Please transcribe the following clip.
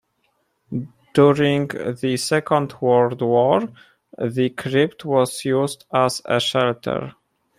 During the Second World War, the crypt was used as a shelter.